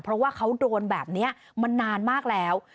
เพราะว่าเขาโดนแบบนี้มานานมากแล้ว